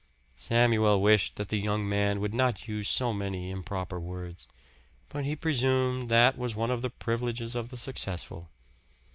Samuel wished that the young man would not use so many improper words; but he presumed that was one of the privileges of the successful.